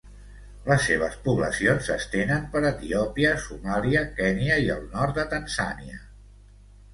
Les seves poblacions s'estenen per Etiòpia, Somàlia, Kenya i el nord de Tanzània.